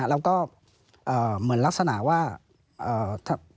ปีอาทิตย์ห้ามีสปีอาทิตย์ห้ามีส